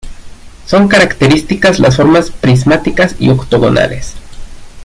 Son características las formas prismáticas y octogonales.